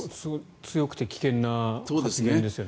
強くて危険な発言ですよね。